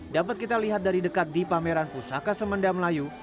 dapat kita lihat dari dekat di pameran pusaka semenda melayu